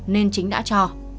nên chính đã cho